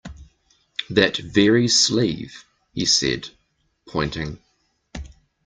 "That very sleeve," he said, pointing.